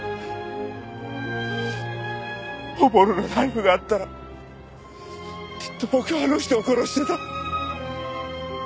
本物のナイフがあったらきっと僕はあの人を殺してた。